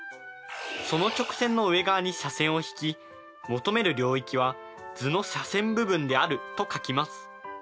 その直線の上側に斜線を引き「求める領域は図の斜線部分である」と書きます。